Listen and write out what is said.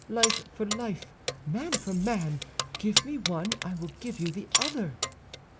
Life for life, man for man; give me one, I will give you the other."